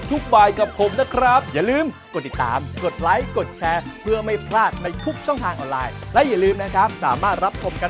สวัสดีครับ